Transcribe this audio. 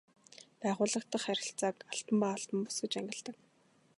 Байгууллага дахь харилцааг албан ба албан бус гэж ангилдаг.